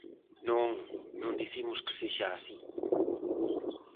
Non, non dicimos que sexa así.